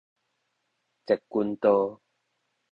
截拳道